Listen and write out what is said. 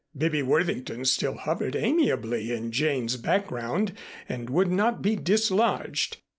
Bibby Worthington still hovered amiably in Jane's background and would not be dislodged.